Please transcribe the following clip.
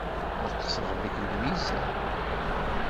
Neqseɣ deg lmizan.